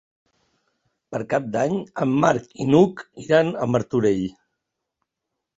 Per Cap d'Any en Marc i n'Hug iran a Martorell.